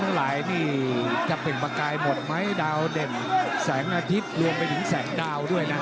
หลายนี่จะเปล่งประกายหมดไหมดาวเด่นแสงอาทิตย์รวมไปถึงแสงดาวด้วยนะครับ